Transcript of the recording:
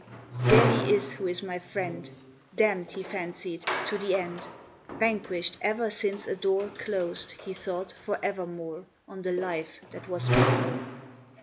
There he is who is my friend, Damned, he fancies, to the end Vanquished, ever since a door Closed, he thought, for evermore On the life that was before.